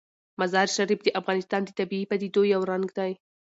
مزارشریف د افغانستان د طبیعي پدیدو یو رنګ دی.